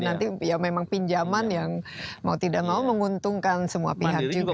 nanti ya memang pinjaman yang mau tidak mau menguntungkan semua pihak juga